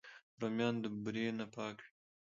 رومیان د بورې نه پاک وي